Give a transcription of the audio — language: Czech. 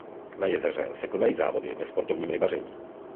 Na jezeře se konají závody ve sportovním rybaření.